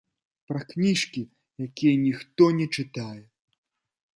Пра кніжкі, якія ніхто не чытае.